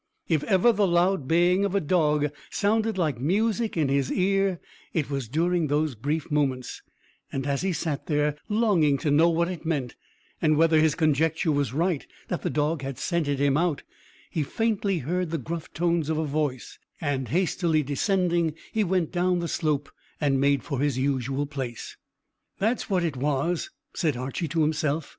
If ever the loud baying of a dog sounded like music in his ear, it was during those brief moments, and as he sat there, longing to know what it meant, and whether his conjecture was right that the dog had scented him out, he faintly heard the gruff tones of a voice, and, hastily descending, he went down the slope and made for his usual place. "That's what it was," said Archy to himself.